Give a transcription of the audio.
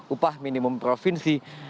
upah minimum provinsi